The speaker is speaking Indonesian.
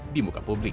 di muka publik